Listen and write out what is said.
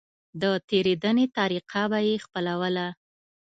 د تېرېدنې طريقه به يې خپلوله.